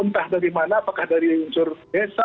entah dari mana apakah dari unsur desa